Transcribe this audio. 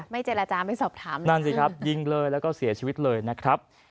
ไม่เจรจาไม่สอบถามนะครับยิงเลยแล้วก็เสียชีวิตเลยนะครับ